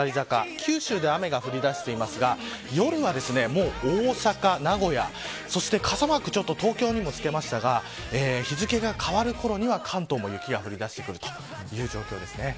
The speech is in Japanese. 九州で雨が降りだしていますが夜は大阪、名古屋傘マーク東京にもつけましたが日付が変わるころには関東も雪が降り出してくるという状況ですね。